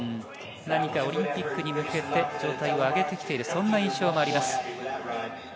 何かオリンピックに向けて状態を上げてきている、そんな印象もあります。